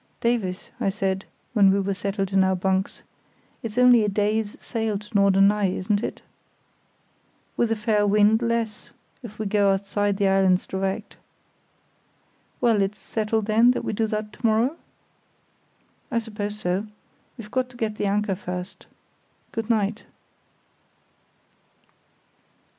"Davies," I said, when we were settled in our bunks, "it's only a day's sail to Norderney, isn't it?" "With a fair wind, less, if we go outside the islands direct." "Well, it's settled that we do that to morrow?" "I suppose so. We've got to get the anchor first. Good night."